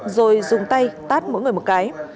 rồi dùng tay tát mỗi người một cái